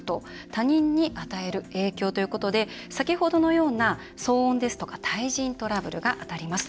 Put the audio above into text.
他人に与える影響ということで先ほどのような騒音ですとか対人トラブルが当たります。